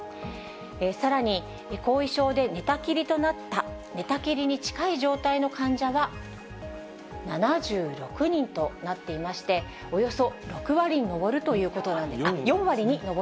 さらに、後遺症で寝たきりとなった、寝たきりに近い状態の患者は７６人となっていまして、およそ４割に上るということなんです。